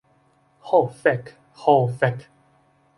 Ho fek. Ho fek.